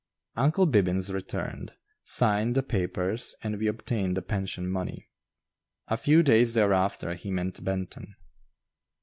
"Uncle Bibbins" returned, signed the papers, and we obtained the pension money. A few days thereafter he met Benton.